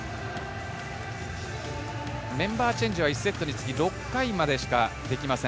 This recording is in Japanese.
メンバーチェンジは１セットにつき６回までしかできません。